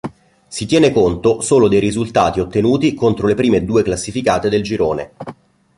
Si tiene conto solo dei risultati ottenuti contro le prime due classificate del girone.